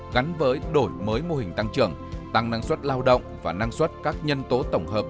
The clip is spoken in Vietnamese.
gắn với đổi mới mô hình tăng trưởng tăng năng suất lao động và năng suất các nhân tố tổng hợp